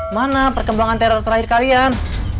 mana perkembangan teror terakhir kalian